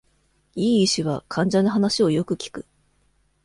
良い医師は、患者の話を良く聞く。